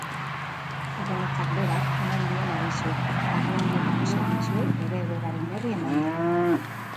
Erromesak berak eman dien abisua larrialdietako zerbitzuei bere egoeraren berri emanda.